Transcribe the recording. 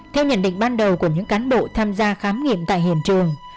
theo nhận định ban đầu của những cán bộ tham gia khám nghiệm tại hiện trường